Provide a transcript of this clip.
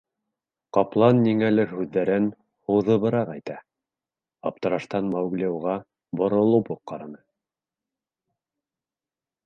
Ҡаплан ниңәлер һүҙҙәрен һуҙыбыраҡ әйтә, аптыраштан Маугли уға боролоп уҡ ҡараны.